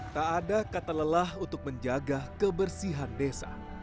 tak ada kata lelah untuk menjaga kebersihan desa